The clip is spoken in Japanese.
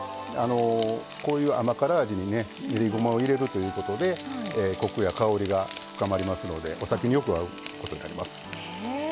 こういう甘辛味に練りごまを入れるということでコクや香りが深まりますのでお酒によく合います。